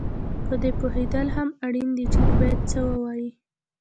په دې پوهېدل هم اړین دي چې باید څه ووایې